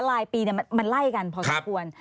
รายปีมันไล่กันพอสมควร